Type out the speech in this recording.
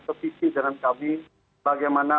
spesifik dengan kami bagaimana